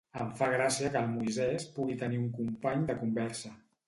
Em fa gràcia que el Moisès pugui tenir un company de conversa.